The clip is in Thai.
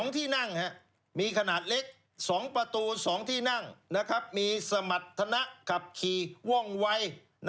๒ที่นั่งมีขนาดเล็ก๒ประตู๒ที่นั่งมีสมรรถนะขับขี่ว่องวัย